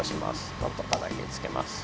トンとたたきつけます。